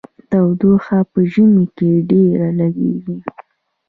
تودوخه په ژمي کې ډیره لګیږي.